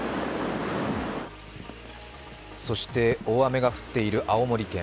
そして大雨が降っている青森県。